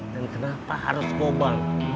dan kenapa harus kubuat